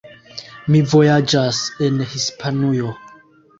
Mi vojaĝas en Hispanujo.